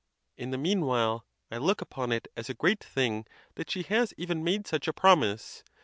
In the mean while, I look upon it as a great thing that she has even made such a promise.